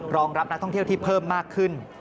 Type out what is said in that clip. รองรับนักท่องเที่ยวที่เพิ่มมากขึ้น